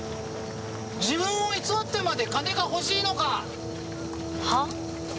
自分を偽ってまで金が欲しいのか！は？